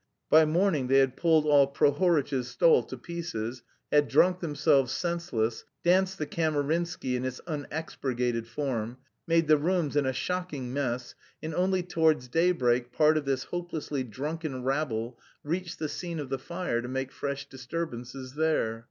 By morning they had pulled all Prohoritch's stall to pieces, had drunk themselves senseless, danced the Kamarinsky in its unexpurgated form, made the rooms in a shocking mess, and only towards daybreak part of this hopelessly drunken rabble reached the scene of the fire to make fresh disturbances there.